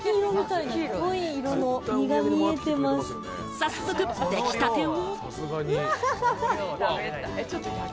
早速、出来たてを。